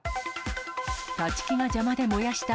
立ち木が邪魔で燃やした。